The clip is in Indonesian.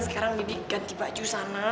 sekarang b b ganti baju sana